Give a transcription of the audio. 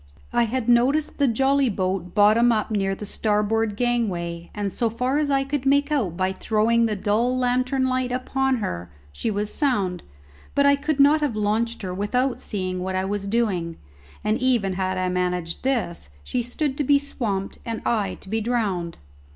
I had noticed the jolly boat bottom up near the starboard gangway, and so far as I could make out by throwing the dull lantern light upon her she was sound; but I could not have launched her without seeing what I was doing, and even had I managed this, she stood to be swamped and I to be drowned.